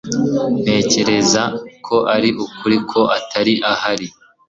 Ntekereza ko ari ukuri ko atari ahari.